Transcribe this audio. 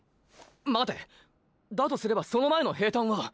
まてだとすればその前の平坦は。